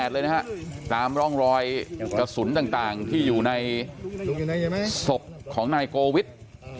เลยนะฮะตามร่องรอยกระสุนต่างที่อยู่ในศพของนายโกวิท